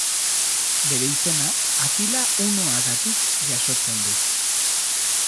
Bere izena Atila hunoagatik jasotzen du.